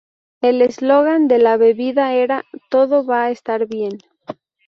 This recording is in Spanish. El eslogan de la bebida era "Todo va a estar bien".